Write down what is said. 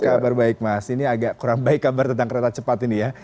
kabar baik mas ini agak kurang baik kabar tentang kereta cepat ini ya